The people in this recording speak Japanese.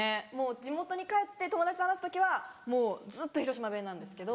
地元に帰って友達と話す時はもうずっと広島弁なんですけど。